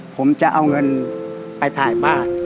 ผมจะเอาเงินไปถ่ายบ้าน